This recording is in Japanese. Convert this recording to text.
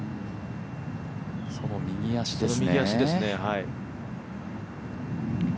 その右足ですね。